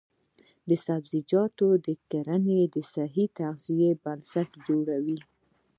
د سبزیجاتو کرنه د صحي تغذیې بنسټ جوړوي.